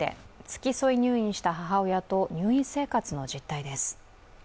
付き添い入院した母親と入院生活の実態です。